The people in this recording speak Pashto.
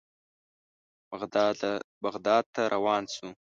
بغداد ته روان شوو.